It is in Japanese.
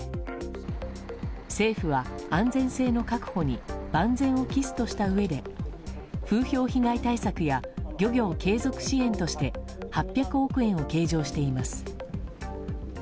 政府は、安全性の確保に万全を期すとしたうえで風評被害対策や漁業継続支援として８００億円を計上しています。